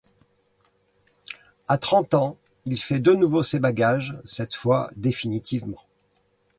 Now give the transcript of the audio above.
À trente ans, il fait de nouveau ses bagages, cette fois définitivement.